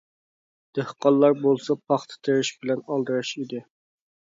دېھقانلار بولسا پاختا تىرىش بىلەن ئالدىراش ئىدى.